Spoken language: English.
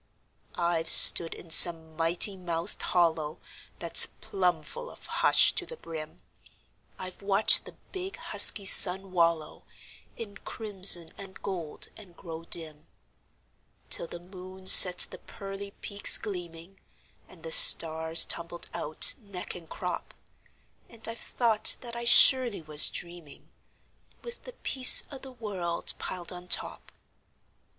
I've stood in some mighty mouthed hollow That's plumb full of hush to the brim; I've watched the big, husky sun wallow In crimson and gold, and grow dim, Till the moon set the pearly peaks gleaming, And the stars tumbled out, neck and crop; And I've thought that I surely was dreaming, With the peace o' the world piled on top.